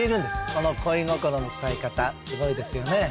この恋心の伝え方すごいですよね。